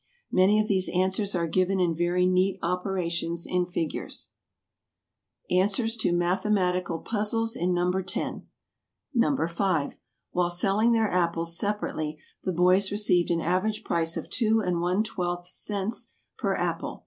Many of these answers are given in very neat operations in figures. Answers to Mathematical Puzzles in No. 10: No. 5. While selling their apples separately the boys received an average price of two and one twelfth cents per apple.